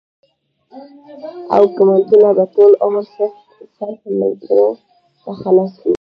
او کمنټونه به ټول عمر صرف ملکرو ته خلاص وي